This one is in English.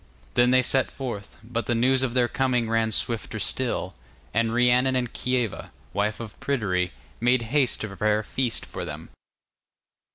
Then they set forth, but the news of their coming ran swifter still, and Rhiannon and Kieva, wife of Pryderi, made haste to prepare a feast for them.